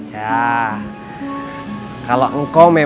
ya kalau engkom memang